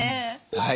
はい。